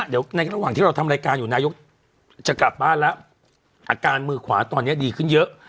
เดี๋ยวในระหว่างที่เราทำรายการอยู่นายกจะกลับบ้านแล้วอาการมือขวาตอนนี้ดีขึ้นเยอะ